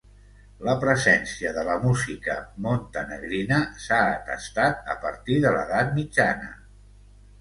La presència de la música montenegrina s'ha atestat a partir de l'edat mitjana.